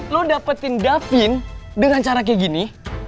lo dapetin davin dengan cara kayak gini